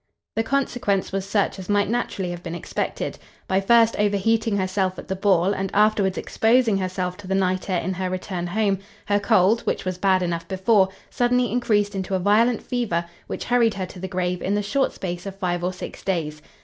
The consequence was such as might naturally have been expected. By first over heating herself at the ball, and afterwards exposing herself to the night air in her return home, her cold, (which was bad enough before) suddenly increased into a violent fever which hurried her to the grave in the short space of five or six days.